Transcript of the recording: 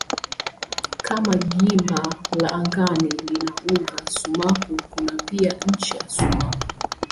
Kama gimba la angani lina uga sumaku kuna pia ncha sumaku.